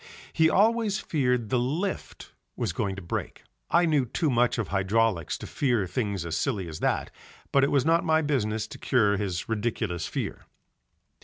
He always feared the lift was going to break. I knew too much of hydraulics to fear things as silly as that, but it was not my business to cure his ridiculous fear.